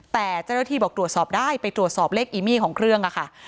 แต่เจ้าหน้าที่บอกตรวจสอบได้ไปตรวจสอบเลขอีมี่ของเครื่องค่ะ